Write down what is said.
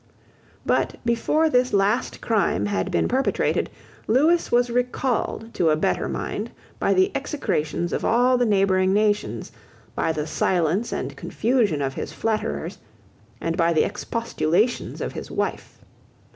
But, before this last crime had been perpetrated, Lewis was recalled to a better mind by the execrations of all the neighbouring nations, by the silence and confusion of his flatterers, and by the expostulations of his wife.